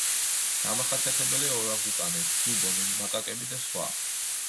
დამახასიათებელია ორანგუტანი, გიბონი, მაკაკები და სხვა.